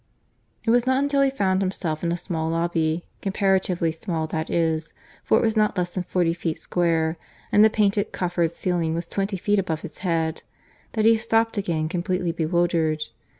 It was not until he found himself in a small lobby (comparatively small that is, for it was not less than forty feet square, and the painted coffered ceiling was twenty feet above his head), that he stopped again, completely bewildered.